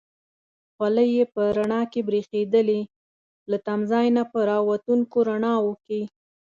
خولۍ یې په رڼا کې برېښېدلې، له تمځای نه په را وتونکو رڼاوو کې.